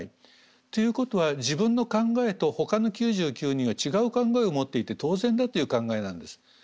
ということは自分の考えとほかの９９人は違う考えを持っていて当然だという考えなんです。